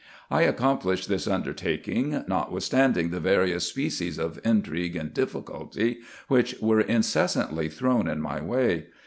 I accomplished this undertaking, notwithstanding the various species of intrigue and difficulty which were incessantly thrown in my way.